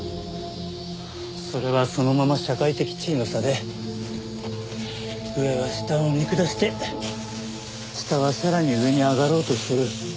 それはそのまま社会的地位の差で上は下を見下して下はさらに上に上がろうとしてる。